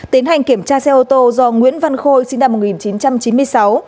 tiến hành kiểm tra xe ô tô do nguyễn văn khôi sinh năm một nghìn chín trăm chín mươi sáu